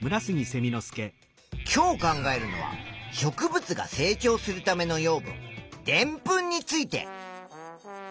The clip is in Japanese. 今日考えるのは植物が成長するための養分でんぷんについて。